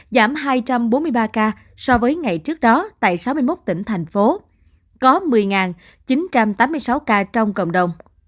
giảm hai trăm bốn mươi ba ca so với ngày trước đó tại sáu mươi một tỉnh thành phố có một mươi chín trăm tám mươi sáu ca trong cộng đồng